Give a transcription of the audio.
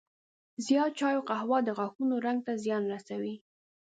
زیات چای او قهوه د غاښونو رنګ ته زیان رسوي.